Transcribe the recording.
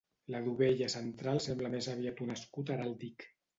La dovella central sembla més aviat un escut heràldic.